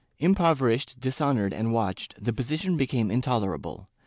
Impoverished, dishonored and watched, the position became intolerable.